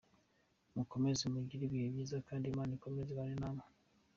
Mukomeze mugire ibihe byiza kandi Imana ikomeze ibane namwe.